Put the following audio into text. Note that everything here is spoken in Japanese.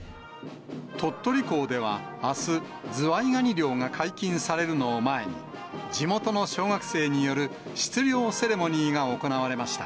鳥取港では、あす、ズワイガニ漁が解禁されるのを前に、地元の小学生による出漁セレモニーが行われました。